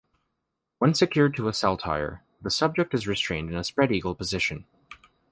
When secured to a saltire, the subject is restrained in a spreadeagle position.